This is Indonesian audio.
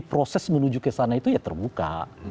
proses menuju ke sana itu ya terbuka